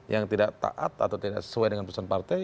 yang tidak taat atau tidak sesuai dengan pesan partai